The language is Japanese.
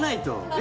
え？